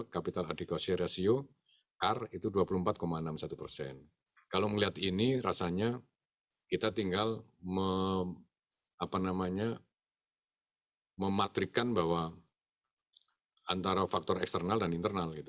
kita tinggal mematrikkan bahwa antara faktor eksternal dan internal